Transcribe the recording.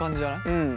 うん。